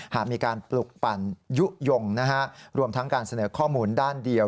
หากมีการปลุกปั่นยุโยงรวมทั้งการเสนอข้อมูลด้านเดียว